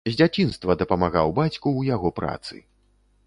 З дзяцінства дапамагаў бацьку ў яго працы.